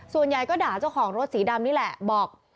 ส่วนใหญ่ก็ด่าเจ้าของรถสีดำนี่แหละบอก